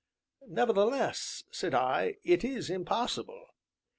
"Nevertheless," said I, "it is impossible."